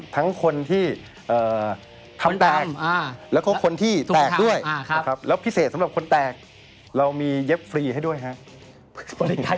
ทั้งคนที่ทำแตกและคนโยกได้